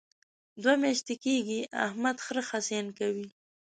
دوه میاشتې کېږي احمد خره خصیان کوي.